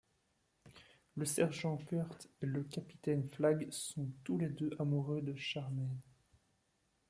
Le sergent Quirt et le capitaine Flagg sont tous les deux amoureux de Charmaine.